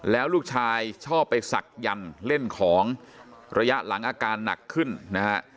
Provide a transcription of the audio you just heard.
แล้วลูกชายชอบไปศักดิ์เล่นของระยะหลังอาการหนักขึ้นนะฮะ